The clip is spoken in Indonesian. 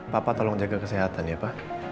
bapak tolong jaga kesehatan ya pak